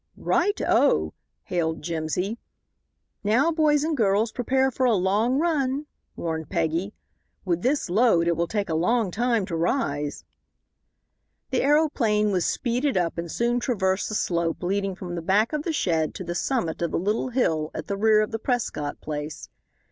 "Right Oh!" hailed Jimsy. "Now, boys and girls, prepare for a long run," warned Peggy; "with this load it will take a long time to rise." The aeroplane was speeded up and soon traversed the slope leading from the back of the shed to the summit of the little hill at the rear of the Prescott place.